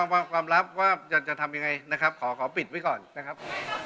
อ๋อมันเป็นความลับความลับว่าจะทำยังไงนะครับขอปิดไว้ก่อนนะครับ